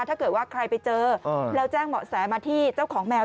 ถ้าเกิดว่าใครไปเจอแล้วแจ้งเหมาะแสมาที่เจ้าของแมว